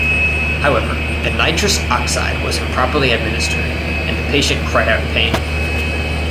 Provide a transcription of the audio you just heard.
However, the nitrous oxide was improperly administered and the patient cried out in pain.